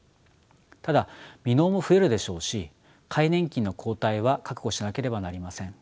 ただ未納も増えるでしょうし皆年金の後退は覚悟しなければなりません。